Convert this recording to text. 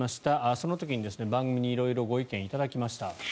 その時に番組に色々ご意見を頂きました。